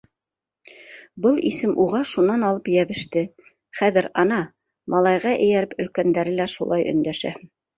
Был исем уға шунан алып йәбеште, хәҙер, ана, малайға эйәреп, өлкәндәре лә шулай өндәшә.